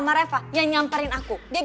orang tamanya ada